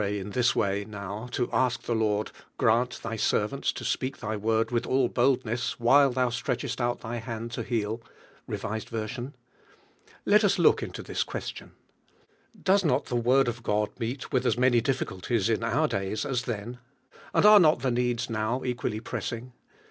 v in this way now, to ask the Lord "Grant Thy ser vants to speak Tli.v Word with al! boldness while Thou slrolchest out Thy hand to heal" (B.V.)? Let as look into this question. Hoes not the Word of God meet with as many difficulties in our days as then, and are not the needs now equally pressing?